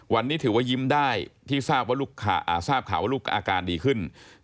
วันนี้ถือว่ายิ้มได้ที่ทราบข่าวว่าลูกอาการดีขึ้น